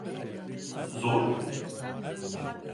Zor mu?